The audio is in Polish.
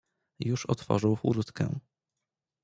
"Już otworzył furtkę."